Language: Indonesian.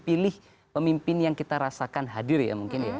pilih pemimpin yang kita rasakan hadir ya mungkin ya